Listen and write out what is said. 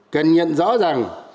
cần nhận rõ rằng